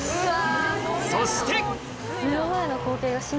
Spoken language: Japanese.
そして！